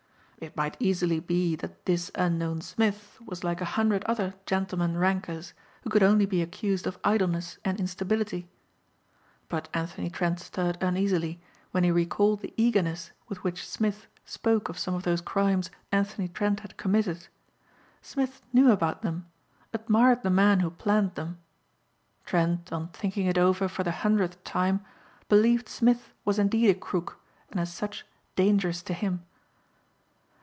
It might easily be that this unknown Smith was like a hundred other "gentlemen rankers" who could only be accused of idleness and instability. But Anthony Trent stirred uneasily when he recalled the eagerness with which Smith spoke of some of those crimes Anthony Trent had committed. Smith knew about them, admired the man who planned them. Trent on thinking it over for the hundredth time believed Smith was indeed a crook and as such dangerous to him.